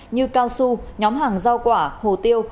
như cao su nhóm hàng rau quả hồ tiêu